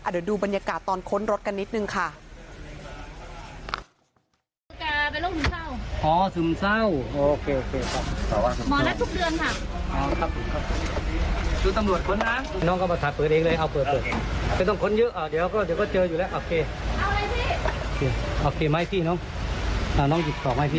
เดี๋ยวดูบรรยากาศตอนค้นรถกันนิดนึงค่ะ